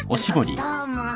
どうも。